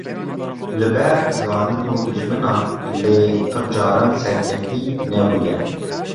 li ber zalim û dijminan lê pir caran serkeftî nebûye.